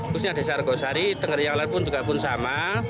khususnya desa argosari tengger yang lain pun juga pun sama